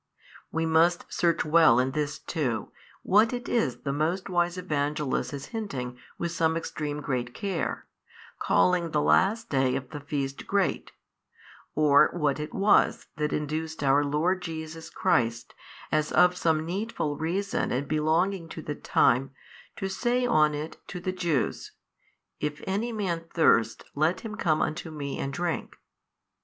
We must search well in this too, what it is the most wise Evangelist is hinting with some extreme great care, calling the last day of the feast great, or what it was that induced our Lord Jesus Christ, as of some needful reason and belonging to the time, to say on it to the Jews, If any man thirst let him come unto Me and drink.